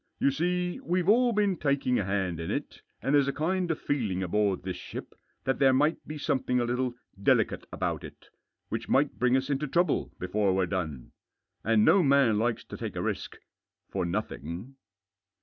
You see we've all been taking a hand in it, and there's a kind of feeling aboard this ship that there might be something a little delicate about it, which might bring us into trouble before we've done. And no man likes to take a risk — for nothing."